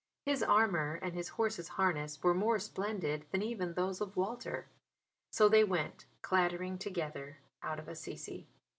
His armour and his horse's harness were more splendid than even those of Walter. So they went clattering together out of Assisi.